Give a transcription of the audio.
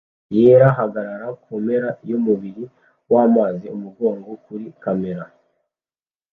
yera bahagarara kumpera yumubiri wamazi umugongo kuri kamera